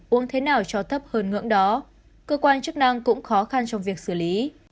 uống thế nào cho thấp hơn ngưỡng đó cơ quan chức năng cũng khó khăn trong việc xử lý